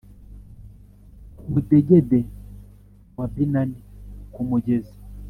ku mudegede wa binani ku mugezi